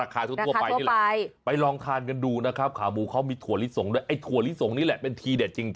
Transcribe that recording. กันดูนะครับขาวหมูเขามีถั่วลิสงด้วยถั่วลิสงนี่แหละเป็นทีเด็ดจริง